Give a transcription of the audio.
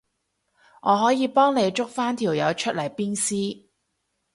我可以幫你捉返條友出嚟鞭屍